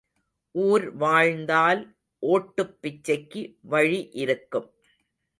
ஊர் வாழ்த்தால் ஓட்டுப் பிச்சைக்கு வழி இருக்கும்.